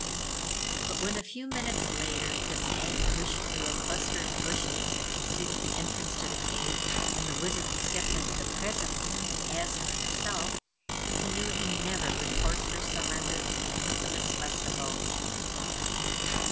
But when, a few minutes later, the Stag pushed through a cluster of bushes that concealed the entrance to the cave, and the Wizard stepped into the presence of Azarine herself, he knew he never would force her surrender to the infamous Bustabo.